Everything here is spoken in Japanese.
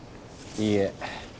いいえ。